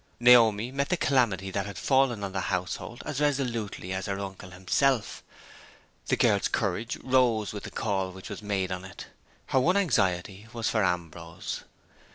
Naomi met the calamity that had fallen on the household as resolutely as her uncle himself. The girl's courage rose with the call which was made on it. Her one anxiety was for Ambrose.